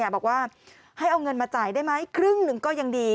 บอกว่าให้เอาเงินมาจ่ายได้ไหมครึ่งหนึ่งก็ยังดี